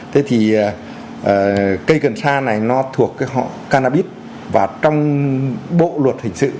thế thì cây cần xa này nó thuộc cái họ cannabis và trong bộ luật hình sự